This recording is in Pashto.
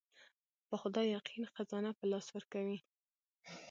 په خدای يقين خزانه په لاس ورکوي.